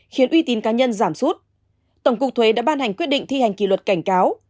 khiến uy tín cá nhân giảm sút tổng cục thuế đã ban hành quyết định thi hành kỷ luật cảnh cáo